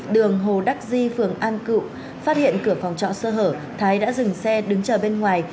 đường hồ đắc di phường an cựu phát hiện cửa phòng trọ sơ hở thái đã dừng xe đứng chờ bên ngoài